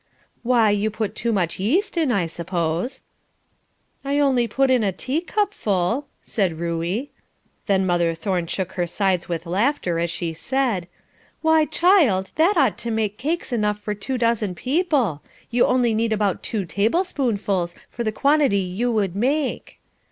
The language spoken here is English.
"Why, you put too much yeast in, I suppose." "I only put in a teacupful," said Ruey. Then mother Thorne shook her sides with laughter, as she said: "Why, child, that ought to make cakes enough for two dozen people; you only need about two table spoonfuls for the quantity you would make."